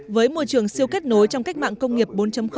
với môi trường siêu kết nối trong cách mạng công nghiệp bốn